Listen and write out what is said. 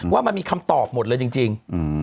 ว่ามันมีคำตอบหมดเลยจริง